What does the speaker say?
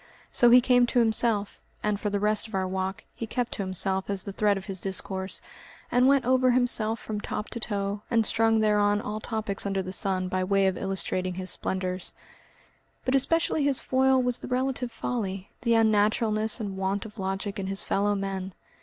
So he came to himself, and for the rest of our walk he kept to himself as the thread of his discourse, and went over himself from top to toe, and strung thereon all topics under the sun by way of illustrating his splendours. But especially his foil was the relative folly, the unnaturalness and want of logic in his fellow men.